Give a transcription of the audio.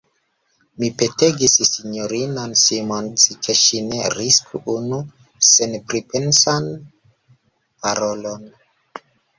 Mi petegis S-inon Simons, ke ŝi ne risku unu senpripensan parolon.